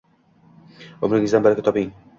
Umringizdan baraka toping...